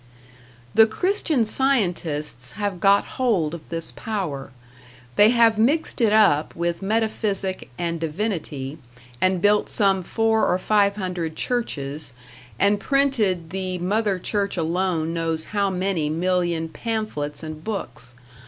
The Christian Scientists have got hold of this power; they have mixed it up with metaphysic and divinity, and built some four or five hundred churches, and printed the Mother Church alone knows how many million pamphlets and books.